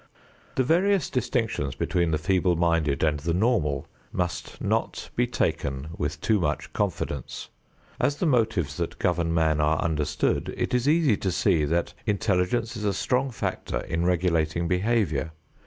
The various distinctions between the feeble minded and the normal must not be taken with too much confidence. As the motives that govern man are understood, it is easy to see that intelligence is a strong factor in regulating behavior.